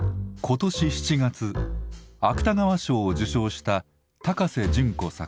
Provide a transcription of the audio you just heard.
今年７月芥川賞を受賞した高瀬隼子作